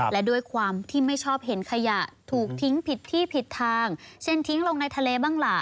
และด้วยความที่ไม่ชอบเห็นขยะถูกทิ้งผิดที่ผิดทางเช่นทิ้งลงในทะเลบ้างล่ะ